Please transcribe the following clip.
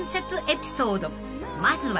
［まずは］